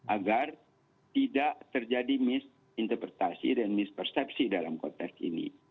agar tidak terjadi misinterpretasi dan mispersepsi dalam konteks ini